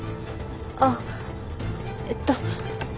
あっえっと。